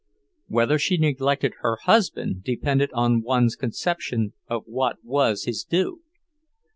Whether she neglected her husband depended upon one's conception of what was his due.